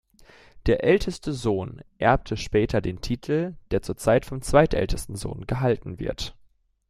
Der älteste Sohn erbte später den Titel, der zurzeit vom zweitältesten Sohn gehalten wird.